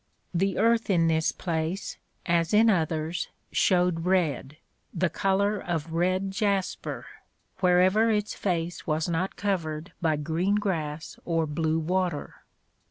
The earth in this place, as in others, showed red, the colour of red jasper, wherever its face was not covered by green grass or blue water.